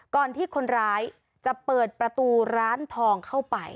ก่อนที่คนร้ายจะเปิดประตูร้านทองเข้าไป